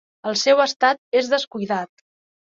El seu estat és descuidat.